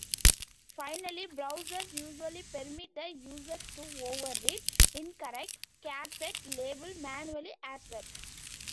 Finally, browsers usually permit the user to override "incorrect" charset label manually as well.